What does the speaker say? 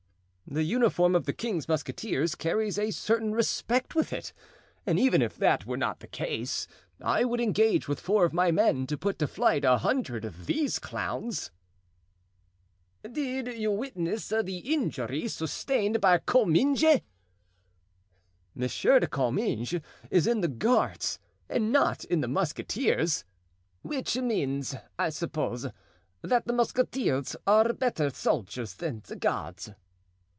"The uniform of the king's musketeers carries a certain respect with it, and even if that were not the case I would engage with four of my men to put to flight a hundred of these clowns." "Did you witness the injury sustained by Comminges?" "Monsieur de Comminges is in the guards and not in the musketeers——" "Which means, I suppose, that the musketeers are better soldiers than the guards."